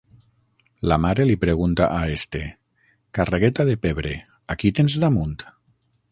La mare li pregunta a este: «Carregueta de pebre, ¿a qui tens damunt?»